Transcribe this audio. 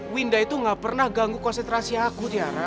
winda itu gak pernah ganggu konsentrasi aku tiara